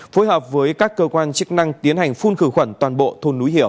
phối hợp với các cơ quan chức năng tiến hành phun khử khuẩn toàn bộ thôn núi hiểu